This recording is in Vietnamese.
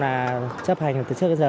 là chấp hành từ trước đến giờ